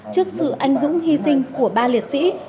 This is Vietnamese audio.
trước sự anh dũng hy sinh của ba liệt sĩ